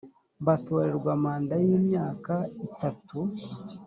batorerwa manda y imyaka itatu